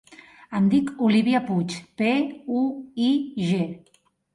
Em dic Olívia Puig: pe, u, i, ge.